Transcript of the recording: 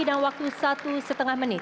dalam waktu satu lima menit